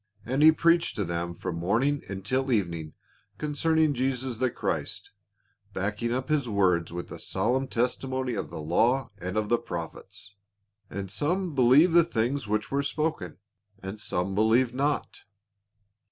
And he preached to them from morning until evening con cerning Jesus the Christ, backing up his words with the solemn testimony of the law and of the prophets. " And some believed the things which were spoken, and some believed not."